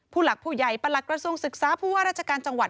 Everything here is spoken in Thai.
ผู้หลักผู้ใหญ่ประหลักกระทรวงศึกษาผู้ว่าราชการจังหวัด